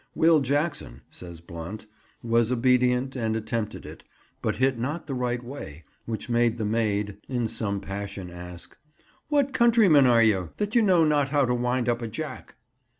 "Will Jackson," says Blount, "was obedient, and attempted it, but hit not the right way, which made the maid in some passion ask, 'What countryman are you, that you know not how to wind up a jack?